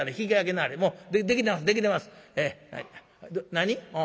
何？